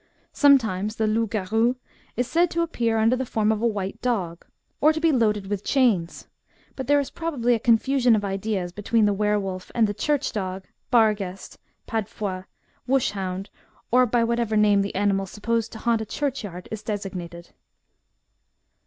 Sometimes the loup garou is said to appear under the form of a white dog, or to be loaded with chains ; but there is probably a confusion of ideas between the were wolf and the church dog, bar ghest, pad foit, wush hound, or by whatever name the animal supposed to haunt a churchyard is designated.